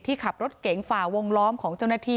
ขับรถเก๋งฝ่าวงล้อมของเจ้าหน้าที่